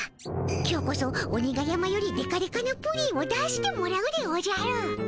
今日こそ鬼が山よりでかでかなプリンを出してもらうでおじゃる。